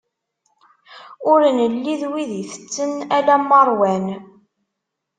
Ur nelli d wid itetten alamma ṛwan.